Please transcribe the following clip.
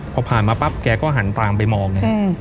พอผ่านมาปั๊บแกก็หันตามไปมองเลย